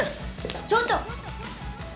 ちょっと！